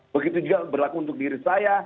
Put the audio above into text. begitu juga berlaku untuk diri saya